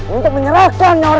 untuk menyerahkan nyawamu